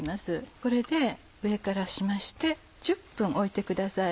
これで上からしまして１０分おいてください。